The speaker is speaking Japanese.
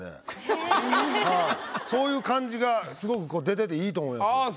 そういう感じがすごく出てて良いと思います。